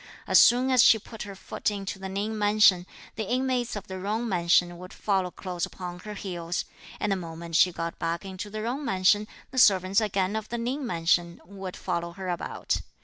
As soon as she put her foot into the Ning mansion, the inmates of the Jung mansion would follow close upon her heels; and the moment she got back into the Jung mansion, the servants again of the Ning mansion would follow her about.